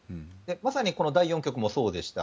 まさにこの第４局もそうでした。